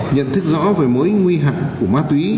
nhận thức rõ về mối nguy hại của ma túy